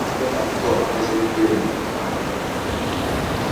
Bonde la mto la Amazon pia linajulikana